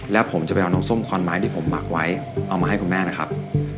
แล้วผมจะไปเอาน้ำส้มคอนไม้ที่ผมหมักไว้เอามาให้คุณแม่นะครับ